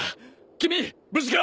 君無事か？